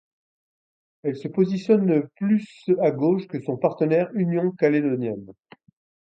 Elle se positionne plus à gauche que son partenaire Union Calédonienne.